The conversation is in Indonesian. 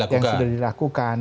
yang sudah dilakukan